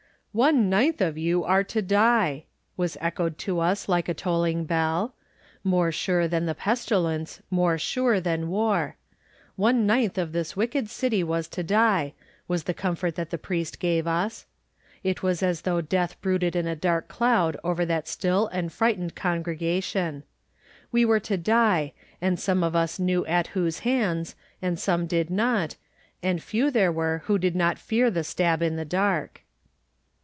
''One ninth of you are to dUr was echoed to us like a tolling bell; more sure than the pestilence, more sure than war. One ninth of this wicked city was to die, was the com fort that the priest gave us. It was as 48 Digitized by Google THE NINTH MAN though death brooded in a dark cloud over that still and frightened congregation. We were to die, and some of us knew at whose hands, and some did not, and few there were who did not fear the stab in the dark.